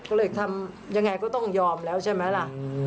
ก็เลยทำยังไงก็ต้องยอมแล้วใช่ไหมล่ะ